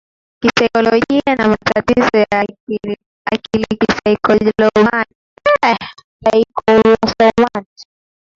kisaikolojia na matatizo ya akilikisaikosomati